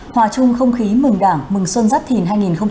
hòa chung không khí mừng đảng mừng xuân giáp thìn hai nghìn hai mươi bốn